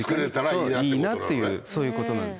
そういいなっていうそういうことなんです。